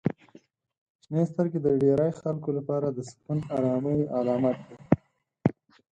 • شنې سترګې د ډیری خلکو لپاره د سکون او آرامۍ علامت دي.